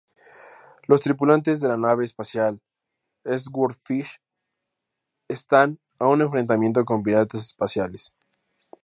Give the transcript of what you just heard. Los tripulantes de la nave espacial "Swordfish" están en un enfrentamiento con piratas espaciales.